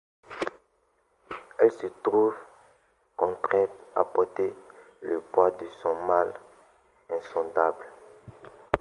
Elle se retrouve contrainte à porter le poids de son mal insondable.